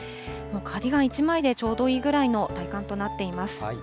カーディガン１枚でちょうどいいぐらいの体感となっています。